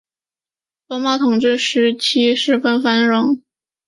罗马统治时期塞浦路斯经济十分繁荣。